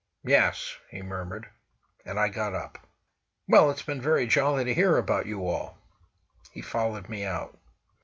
"Yes," he murmured. And I got up. "Well, it's been very jolly to hear about you all!" He followed me out.